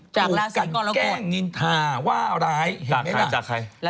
ถูกกันแกล้งนินทาว่าร้ายเห็นไหมล่ะจากใคร